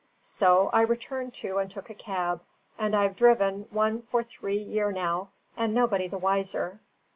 So I turned to and took a cab, and I've driven one for three year now and nobody the wiser."